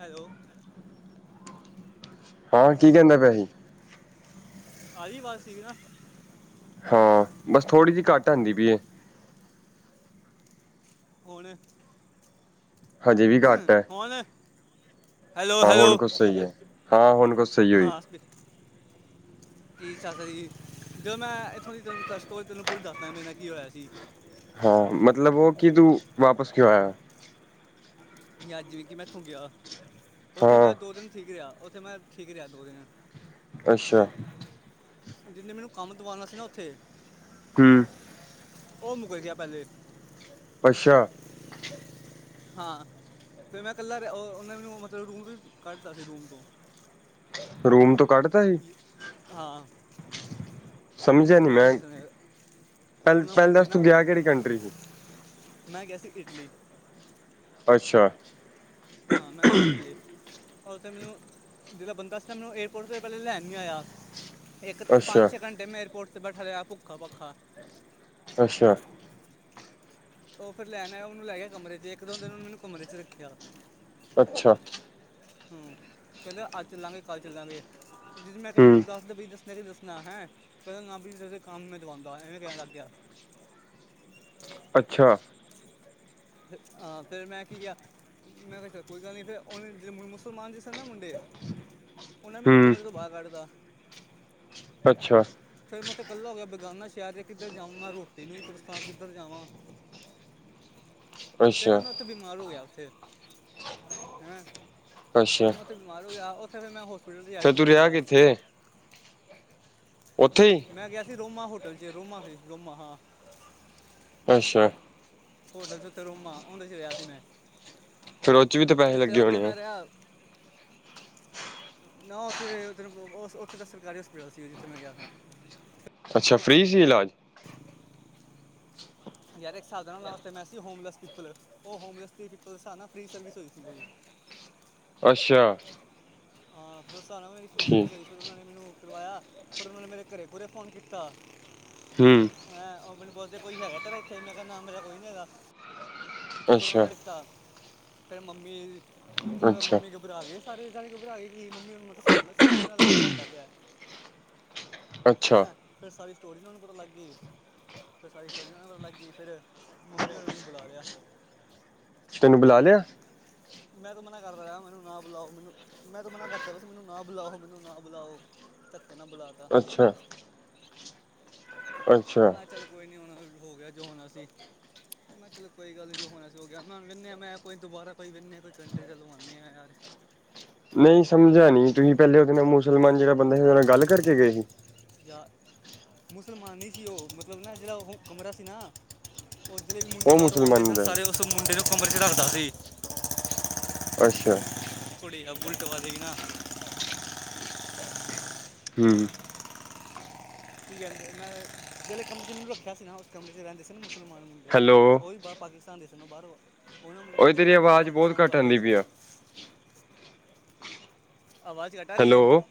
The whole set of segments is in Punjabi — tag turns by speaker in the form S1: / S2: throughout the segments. S1: ਹੈਲੋ।
S2: ਹਾਂ ਕੀ ਕਹਿੰਦਾ ਪਿਆ ਸੀ
S1: ਆਹੀ ਅਵਾਜ਼ ਸੀਗੀ ਨਾ
S2: ਹਾਂ ਬਸ ਥੋੜ੍ਹੀ ਜਿਹੀ ਘੱਟ ਆਉਂਦੀ ਪਈ
S1: ਹੂਣ
S2: ਹਜੇ ਵੀ ਘੱਟ ਹੈ।
S1: ਹੁਣ ਹੈਲੋ
S2: ਹਾਂ ਹੁਣ
S1: ਹੈਲੋ
S2: ਕੁਛ ਸਹੀ ਹੈ ਹਾਂ ਹੁਣ ਕੁਛ ਸਹੀ ਹੋਈ।
S1: ਹਾਂ ਕੀ ਸ਼ੱਸ ਜੀ ਜਦੋਂ ਮੈਂ ਇੱਥੋਂ ਦੀ ਤੈਨੂੰ ਟਰੱਸਟ ਹੋ ਤੈਨੂੰ ਪੂਰੀ ਦੱਸਦ ਮੇਰੇ ਨਾਲ ਕੀ ਹੋਇਆ ਸੀ
S2: ਹਾਂ ਮਤਲਬ ਉਹ ਕਿ ਤੂੰ ਵਾਪਸ ਕਿਉਂ ਆਇਆ
S1: ਅੱਜ ਵੀ ਮੈਂ ਇੱਥੋਂ ਗਿਆ ਉੱਥੇ
S2: ਹਾਂ
S1: ਮੈਂ ਦੋ ਦੀਨ ਠੀਕ ਰਿਹਾ ਉੱਥੇ ਮੈਂ ਠੀਕ ਰਿਹਾ ਦੋ ਦਿਨ
S2: ਅੱਛਾ
S1: ਹੈਂ। ਜਿਨੇ ਮੈਨੂੰ ਕੰਮ ਦਵਾਉਣਾ ਸੀ ਨਾ ਉੱਥੇ।
S2: ਹਮ।
S1: ਉਹ ਮੁਕਰ ਗਿਆ ਪਹਿਲੇ
S2: ਅਛਾ।
S1: ਹਾਂ ਫਿਰ ਮੈਂ ਇਕੱਲਾ ਰਯਾ ਉਹਨੇ ਮੈਨੁ ਮਤਲਬ ਰੂਮ ਤੋਂ ਵੀ ਕੱਢਤਾ ਸੀ ਰੂਮ ਤੋਂ।
S2: ਰੂਮ ਤੋਂ ਕੱਢਦਾ ਸੀ?
S1: ਹਾਂ। ਉਹ
S2: ਸਮਝਿਆ ਨੀ
S1: ਮੁਸਲਮਾਨ
S2: ਮੈਂ
S1: ਦੇ ਸਨ
S2: ਪਹਿ
S1: ਉਹਨਾਂ
S2: ਪਹਿਲੇ
S1: ਮੁੰਡੇ
S2: ਦਸ ਤੂੰ
S1: ਨਾ
S2: ਗਿਆ ਕੇੜੀ ਕੰਟਰੀ ਸੀ?
S1: ਮੈਂ ਗਯਾ ਸੀ ਇਟਲੀ।
S2: ਅੱਛਾ।
S1: ਹਾਂ ਮੈਂ ਗਿਆ ਸੀ ਇਟਲੀ। ਰ ਉਥੇ ਮੈਨੂੰ ਜੇੜਾ ਬੰਦਾ ਸੀ ਨਾ ਮੈਨੂੰ ਏਅਰਪੋਰਟ ਤੇ ਪਹਿਲੇ ਲੈਣ ਨੀ ਆਯਾ। ਇੱਕ
S2: ਅੱਛਾ
S1: ਪੰਜ ਸ਼ੇ ਘੰਟੇ ਮੈਂ ਏਰਪੋਰਟ ਤੇ ਬੈਠਾ ਲਿਆ ਭੁੱਖਾ ਭੱਖਾ।
S2: ਅੱਛਾ।
S1: ਉਹ ਫੇਰ ਲੈਣ ਆਯਾ ਉਹਨੂੰ ਲੈ ਗਿਆ ਕਮਰੇ ਚ ਇੱਕ ਦੋ ਦਿਨ ਉਹਨੇ ਮੈਨੂੰ ਕਮਰੇ ਚ ਰੱਖਿਆ।
S2: ਅੱਛਾ।
S1: ਹਮ ਕਹਿੰਦੇ ਅੱਜ ਚੱਲਾਂਗੇ ਕੱਲ ਚੱਲਾਂਗੇ ਮੈਂ ਕਿਹਾ
S2: ਹੂੰ
S1: ਮੈਨੂੰ ਦੱਸ ਦੇ ਬਈ [unintelligible] ਦੱਸਣਾ ਹੈਂ ਕਹਿੰਦਾ ਅਪਣੀ ਤਰਫ਼ ਸੇ ਕੰਮ ਮੈਂ ਦਵਾਉਂਗਾ ਐਵੇਂ ਕਹਿਣ ਲੱਗ ਗਿਆ।
S2: ਅੱਛਾ।
S1: ਹਾਂ ਫਿਰ ਮੈਂ ਕੀ ਕਿਹਾ? ਮੈਂ ਕਿਹਾ ਚੱਲ ਕੋਈ ਗੱਲ ਨੀ ਫੇਰ ਉਹਨੇ ਜੇੜੇ ਮੁਸਲਮਾਨ ਸੀ ਨਾ ਮੁੰਡੇ, ਉਹਨੇ ਮੈਨੂੰ
S2: ਹੂੰ
S1: ਕਮਰੇ ਤੋਂ ਬਾਹਰ ਕੱਢਤਾ।
S2: ਅੱਛਾ।
S1: ਫੇਰ ਮੈਂ ਓਥੇ ਇਕੱਲਾ ਹੋ ਗਿਆ ਬੇਗਾਨਾ ਸ਼ਹਿਰ ਚ ਮੈਂ ਕਿੱਧਰ ਜਾਊਂਗਾ ਰੋਟੀ ਨੂੰ ਵੀ ਤਰਸਾਂ ਕਿੱਧਰ ਜਾਵਾਂ। [inaudible] ਫੇਰ
S2: ਅੱਛਾ
S1: ਮੈਂ ਨਾ ਉੱਥੇ ਬਿਮਾਰ ਹੋ ਗਿਆ ਉੱਥੇ ਹੈਂ ਤੇ
S2: ਅੱਛਾ
S1: ਫੇਰ ਮੈਂ ਉੱਥੇ, ਬਿਮਾਰ ਹੋ ਗਿਆ ਉੱਥੇ ਫੇਰ ਮੈਂ ਹੋਸਪਿਟਲ ਚ
S2: ਫੇਰ ਤੂੰ
S1: ਐਡਮਿਟ ਹੋ
S2: ਰਿਹਾ
S1: ਗਿਆ।
S2: ਕਿੱਥੇ ਉੱਥੇ ਈ?
S1: ਮੈਂ ਗਿਆ ਸੀ ਰੋਮਾ ਹੋਟਲ ਚ ਰੋਮਾ ਸੀ ਰੋਮਾ ਹਾਂ।
S2: ਅੱਛਾ।
S1: ਹੋਟਲ ਸੀ ਉੱਥੇ ਰੂਮਾ ਉਹਂਦੇ ਚ ਰਿਹਾ ਸੀ ਮੈਂ।
S2: ਫਿਰ ਉਹ ਚ ਵੀ ਤਾਂ ਪੈਸੇ
S1: ਫੇਰ
S2: ਲੱਗੇ
S1: ਉਥੇ
S2: ਹੋਣੇ ਆ
S1: ਮੈਂ ਰਿਹਾ, ਨਾ ਉੱਥੇ ਉੱਥੇ ਦਾ ਸਰਕਾਰੀ ਹੋਸਪਿਟਲ ਸੀ ਜਿੱਥੇ ਮੈਂ ਗਿਆ ਸਾਂ।
S2: ਅੱਛਾ ਫ੍ਰਰੀ ਸੀ ਇਲਾਜ?
S1: ਯਾਰ ਇੱਕ ਸਾਲ ਤਾਂ ਨਾ ਓਥੇ ਮੈਂ ਵੈਸੇ ਹੋਮਲੈਸ ਪੀਪਲ ਉਹ ਹੋਮਲੈਸ ਪੀਪਲ ਹਿਸਾਬ ਨਾਲ ਫਰੀ ਸਰਵਿਸ ਹੋਈ ਸੀ ਮੇਰੀ।
S2: ਅੱਛਾ।
S1: ਹਾਂ ਫੇਰ ਉਸ ਹਿਸਾਬ ਨਾਲ ਮੇਰੀ ਫਰੀ
S2: ਠੀਕ
S1: ਸਰਵਿਸ ਹੋਈ ਸੀ ਫੇਰ ਉਹਨਾਂ ਨੇ ਮੈਨੂੰ ਬੁਲਵਾਯਾ, ਫੇਰ ਉਹਨਾਂ ਨੇ ਮੇਰੇ ਘਰੇ ਘੂਰੇ ਫੋਨ ਕੀਤਾ।
S2: ਹਮ।
S1: ਹੈਂ ਉਹ ਮੈਨੂੰ ਬੋਲਦੇ ਕੋਈ ਹੈਗਾ ਤੇਰਾ ਇੱਥੇ ਮੈਂ ਕਿਹਾ ਨਾ ਮੇਰਾ ਕੋਈ ਨੀ ਹੈਗਾ।
S2: ਅੱਛਾ
S1: [unintelligible] ਮੰਮੀ
S2: ਅੱਛਾ
S1: ਮੰਮੀੱ ਘੁਬਰਾਗੇ ਸਾਰੇ ਦੇ ਸਾਰੇ ਘੁਬਰਾ ਗੇ ਕੀ ਮੰਮੀ ਮੈਂ ਦੱਸਦਾ ਕਿ ਮੇਰੇ ਨਾਲ ਕੀ ਬਣਦਾ ਪਿਆ।
S2: ਅੱਛਾ
S1: ਹੈਂ, ਫੇਰ ਸਾਰੀ ਸਟੋਰੀ ਉਹਨੂੰ ਪਤਾ ਲੱਗ ਗਈ। ਫਿਰ ਸਾਰੀ ਸਟੋਰੀ ਪਤਾ ਲੱਗ ਗਈ। ਫਿਰ ਮੰਮੀ ਹੋਣਾ ਮੈਨੂੰ ਬੁਲਾ ਲਿਆ।
S2: ਤੈਨੂੰ ਬੁਲਾ ਲਿਆ।
S1: ਮੈਂ ਤਾਂ ਮਨਾ ਕਰਦਾ ਰਿਹਾ, ਮੈਨੂੰ ਨਾ ਬੁਲਾਓ, ਮੈਨੂੰ ਮੈਂ ਤਾਂ ਮਨਾ ਕਰਦਾ ਪਿਆ ਸੀ, ਮੈਨੂੰ ਨਾ ਬੁਲਾਓ, ਮੈਨੂੰ ਨਾ ਬੁਲਾਓ। ਧੱਕੇ ਨਾਲ ਬੁਲਾਤਾ।
S2: ਅੱਛਾ।
S1: ਮੈਂ
S2: ਅੱਛਾ
S1: ਕਹਯਾ ਚਲੋ ਕੋਈ ਨੀ ਹੋ ਗਿਆ, ਜੋ ਹੋਣਾ ਸੀ। ਮੈਂ ਕਹਯਾ ਚਲ ਕੋਈ ਗੱਲ ਨੀ ਜੋ ਹੋਣਾ ਸੀ ਹੋ ਗਿਆ ਮੈਂ ਹੁਣ ਕਹਨੇ ਆ ਮੈਂ ਕੋਈ ਦੁਬਾਰਾ ਕੋਈ ਵੇਖਣੇ ਆ ਕੋਈ ਕੰਟਰੀ ਚ ਲਵਾਨੇ ਹਾਂ ਯਾਰ।
S2: ਨਹੀਂ ਸਮਝਿਆ ਨਹੀਂ ਤੁਸੀਂ
S1: ਹੂੰ
S2: ਪਹਿਲੇ ਉਹਦੇ ਨਾਲ ਮੁਸਲਮਾਨ ਜੇੜਾ ਬੰਦਾ ਸੀ ਉਹਦੇ ਨਾਲ ਗੱਲ ਕਰਕੇ ਗਏ ਸੀ?
S1: ਯਾਰ ਮੁਸਲਮਾਨ ਨੀ ਸੀ ਉਹ ਮਤਲਬ ਨਾ ਜਿਹੜਾ ਉਹ ਕਮਰਾ ਸੀ ਨਾ, ਓਹ ਜਿਤਨੇ ਵੀ ਮੁੰਡੇ
S2: ਉਹ
S1: ਬਾਰੋਂ ਆਦੇ
S2: ਮੁਸਲਮਾਨ
S1: ਸਨ
S2: ਦਾ ਸੀ
S1: ਸਾਰੇ ਉਸ ਮੁੰਡੇ ਦੇ ਕਮਰੇ 'ਚ ਰੱਖਦਾ ਸੀ।
S2: ਅੱਛਾ।
S1: ਕੁੜੀਆਂ ਬੁਲਟ ਵਾਲੀ ਨਾ,
S2: ਹਮ।
S1: ਕੀ ਕਹਿੰਦੇ, ਮੈਂ ਜਿਹੜੇ ਕਮਰੇ ਚ ਰੱਖਿਆ ਸੀ, ਨਾ ਉਸ ਕਮਰੇ ਚ ਰਹਿੰਦੇ ਸੀ ਨਾ ਮੁਸਲਮਾਨ ਮੁੰਡੇ।
S2: ਹੈਲੋ
S1: ਉਹੀ ਬ ਪਾਕਿਸਤਾਨ ਦੇ ਸਨ ਉਹ ਬਾਹਰੋ ਉਹ ਨਾ ਮੁੰਡੇ
S2: ਓਏ
S1: ਜਿਸ ਆਏ
S2: ਤੇਰੀ
S1: ਸੀ ਨਾ ਉਹ
S2: ਆਵਾਜ਼ ਬਹੁਤ
S1: ਪਾਕਿਸਤਾਨ ਤੋਂ
S2: ਘੱਟ
S1: ਆਏ ਹੋਏ
S2: ਆਉਂਦੀ ਪਈ
S1: ਸਨ।
S2: ਆ
S1: ਆਵਾਜ਼ ਕੱ
S2: ਹੈਲੋ,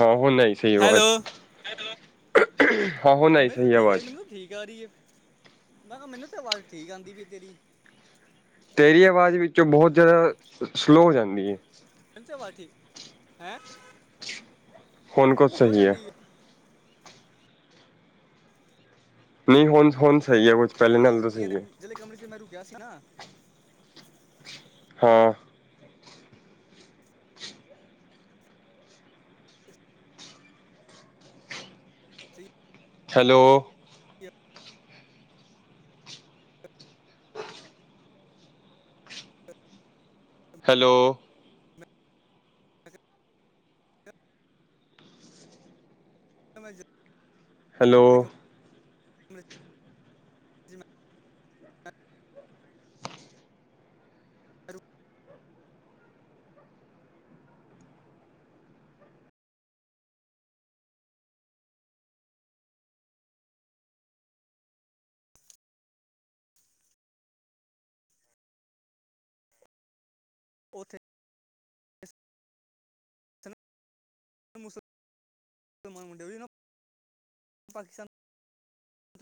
S2: ਹਾਂ ਹੁਣ ਆਈ ਸਹੀ
S1: ਹੈਲੋ
S2: ਆਵਾਜ਼। [inaudible]
S1: ਮੇਰੀ ਤਾਂ
S2: ਸਹੀ
S1: ਠੀਕ ਆ ਰਹੀ,
S2: ਆਵਾਜ਼
S1: ਮੈਨੂੰ ਠੀਕ ਆ ਰਹੀ ਐ, ਮੈਂ ਕਿਹਾ ਮੈਨੂੰ ਤਾਂ ਆਵਾਜ਼ ਠੀਕ ਆਂਦੀ ਪਈ ਤੇਰੀ।
S2: ਤੇਰੀ ਆਵਾਜ਼ ਵਿੱਚੋਂ ਬਹੁਤ ਜ਼ਿਆਦਾ ਸਲੋਅ ਹੋ ਜਾਂਦੀ ਏ।
S1: ਮੈਨੂੰ ਤੇ ਅਵਾਜ਼ ਠੀਕ, ਹੈਂ।
S2: ਹੁਊ ਕੁਛ
S1: ਹੋ
S2: ਸਹੀ ਐ।
S1: ਜਾਂਦੀ ਹੈ
S2: ਨਹੀਂ ਹੁਣ ਹੁਣ ਸਹੀ ਐ ਕੁਛ, ਪਹਿਲੇ ਨਾਲੋ ਤਾਂ ਸਹੀ ਐ।
S1: ਜਿਲੇ ਕਮਰੇ ਚ ਮੈਂ ਰੁਕਿਆ ਸੀ ਨਾ।
S2: ਹਾਂ।
S1: ਸਹੀ
S2: ਹੈਲੋ।
S1: ਹੈ।
S2: ਹੈਲੋ।
S1: ਮੈਂ [unintelligible]
S2: ਹੈਲੋ।
S1: ਜਿਹੜੇ ਕਮਰੇ 'ਚ ਮੈਂ ਰੁ- ਉੱਥੇ। ਮੁਸਲ ਮਾਨ ਮੁੰਡੇ ਪਾਕਿਸਤਾਨ